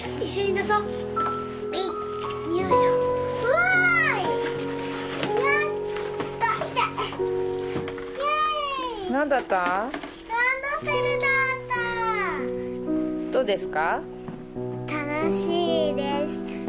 楽しいです。